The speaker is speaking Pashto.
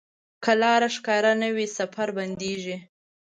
که لاره ښکاره نه وي، سفر بندېږي.